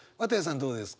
どうですか？